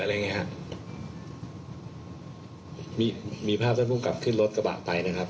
อะไรไงครับมีมีภาพที่ผู้มกับขึ้นรถกระบะไปนะครับ